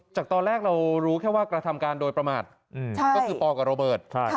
จากตอนแรกเรารู้แค่ว่ากระทำการโดยประมาทก็คือปอกับโรเบิร์ต